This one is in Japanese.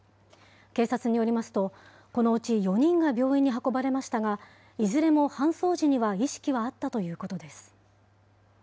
警察によりますと、このうち４人が病院に運ばれましたが、いずれも搬送時には意識はあったということです。